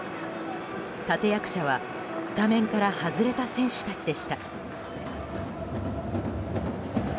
立役者はスタメンから外れた選手たちでした。